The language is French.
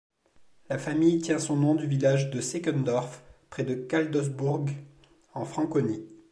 La famille tient son nom du village de Seckendorf, près de Cadolzburg en Franconie.